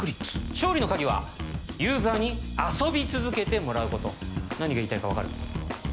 勝利の鍵はユーザーに遊び続けてもらうこと何が言いたいか分かる？